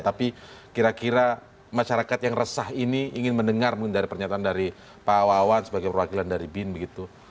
tapi kira kira masyarakat yang resah ini ingin mendengar mungkin dari pernyataan dari pak wawan sebagai perwakilan dari bin begitu